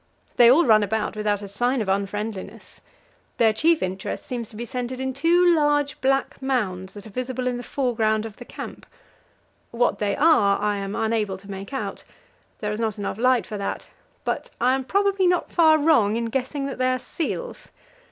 They all run about without a sign of unfriendliness. Their chief interest seems to be centred in two large black mounds that are visible in the foreground of the camp; what they are I am unable to make out there is not light enough for that but I am probably not far wrong in guessing that they are seals.